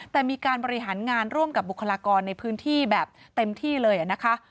แต่มีการบริหารงานร่วมกับบุคลากรในพื้นที่แบบเต็มที่เลยนะคะ